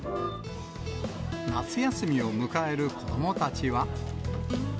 夏休みを迎える子どもたちは。